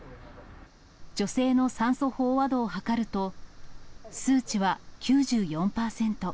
女性の酸素飽和度を測ると、数値は９４％。